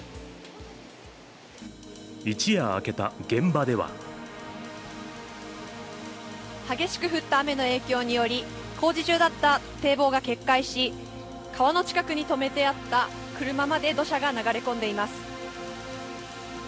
一夜明けた現場では激しく降った雨の影響により工事中だった堤防が決壊し川の近くに止めてあった車まで、土砂が流れ込んでいます。